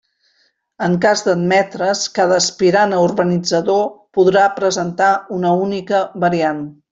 En cas d'admetre's, cada aspirant a urbanitzador podrà presentar una única variant.